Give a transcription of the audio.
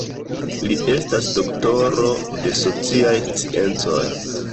Li estas doktoro de sociaj sciencoj.